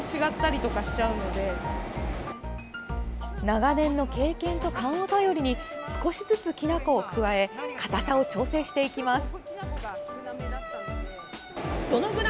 長年の経験と勘を頼りに少しずつ、きな粉を加えかたさを調整していきます。